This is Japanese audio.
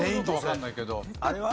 あれは？